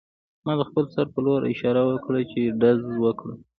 ما د خپل سر په لور اشاره وکړه چې ډز وکړه